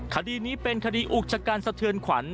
คดีนี้เป็นคดีอุกชะกันสะเทือนขวัญ